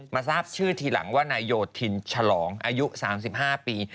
ทราบชื่อทีหลังว่านายโยธินฉลองอายุ๓๕ปี